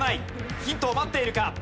ヒントを待っているか。